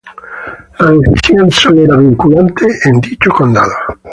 La decisión sólo era vinculante en dicho condado.